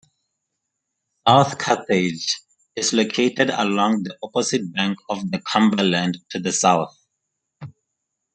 South Carthage is located along the opposite bank of the Cumberland to the south.